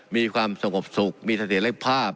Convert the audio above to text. มีความสงบสุขมีนาฬิบภาพ